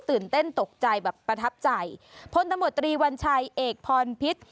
ตื่นเต้นตกใจแบบประทับใจพลตมตรีวัญชัยเอกพรพิษ